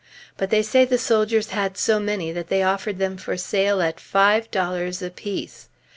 But they say the soldiers had so many that they offered them for sale at five dollars apiece!